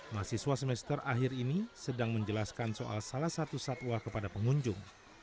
mahasiswa semester akhir ini sedang menjelaskan soal salah satu satwa kepada pengunjung